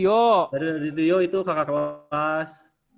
bayu dan ditio itu kakak wapas